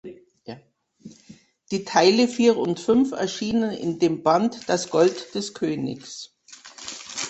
Die Teile vier und fünf erschienen in dem Band „Das Gold des Königs“.